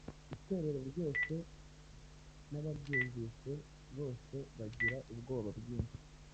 Itorero ryose n’ababyumvise bose bagira ubwoba bwinshi.”.